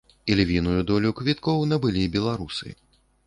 Ільвіную долю квіткоў набылі беларусы.